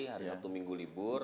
hari satu minggu libur